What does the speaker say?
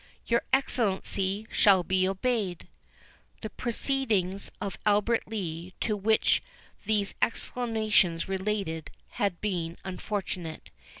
"Your Excellency shall be obeyed." The proceedings of Albert Lee, to which these exclamations related, had been unfortunate.